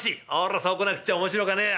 「そうこなくっちゃ面白かねえや。